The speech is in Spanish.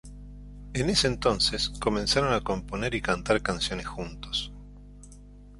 En ese entonces comenzaron a componer y cantar canciones juntos.